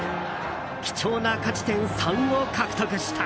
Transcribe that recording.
貴重な勝ち点３を獲得した。